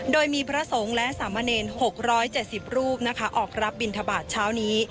โดยมีพระสงฆ์และสามเมรินหกร้อยเจสิบรูปนะคะออกรับบิณฑบาทเช้านี้